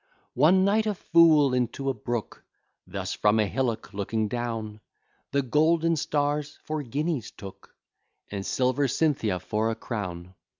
One night a fool into a brook Thus from a hillock looking down, The golden stars for guineas took, And silver Cynthia for a crown.